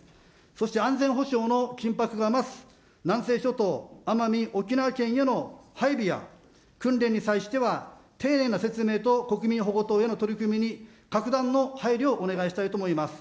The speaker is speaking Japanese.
そして安全保障の緊迫が増す南西諸島、奄美・沖縄県への配備や訓練に際しては丁寧な説明と国民保護等への取り組みに格段の配慮をお願いしたいと思います。